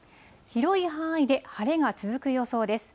広い範囲で晴れが続く予想です。